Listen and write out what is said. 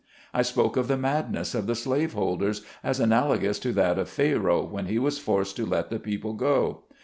I spoke of the madness of the slaveholders as analogous to that of Pharoah when he was forced to let the people go.